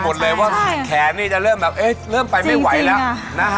มันล้าเริ่มแบบแขนมันไปแล้ว